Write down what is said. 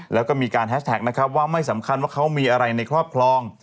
แล้วก็มีการแฮสแท็กนะครับว่าไม่สำคัญว่าเขามีอะไรในครอบครอง